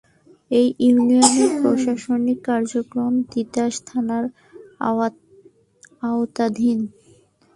এ ইউনিয়নের প্রশাসনিক কার্যক্রম তিতাস থানার আওতাধীন।